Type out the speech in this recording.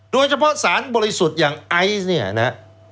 โดยเฉพาะสารบริสุทธิ์อย่างไอซ์เนี่ยนะ